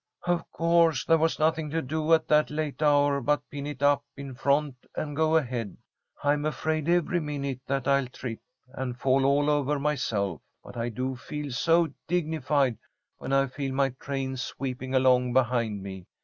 "Of course there was nothing to do at that late hour but pin it up in front and go ahead. I'm afraid every minute that I'll trip and fall all over myself, but I do feel so dignified when I feel my train sweeping along behind me.